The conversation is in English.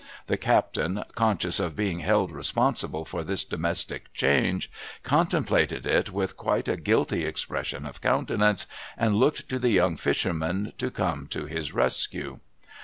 The captain, conscious of being held responsible for this domestic change, con templated it with quite a guilty expression of countenance, and looked to the young fisherman to come to his rescue.